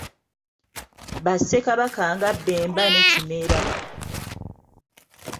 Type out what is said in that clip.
Ba ssekabaka nga Bbemba ne Kimera.